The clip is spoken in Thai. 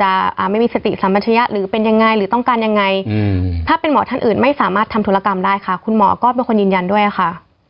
จะไม่มีสติสัมปัชยะหรือเป็นยังไงหรือต้องการยังไงถ้าเป็นหมอท่านอื่นไม่สามารถทำธุรกรรมได้ค่ะคุณหมอก็เป็นคนยืนยันด้วยค่ะ